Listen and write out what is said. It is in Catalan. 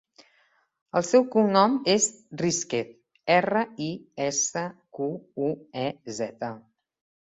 El seu cognom és Risquez: erra, i, essa, cu, u, e, zeta.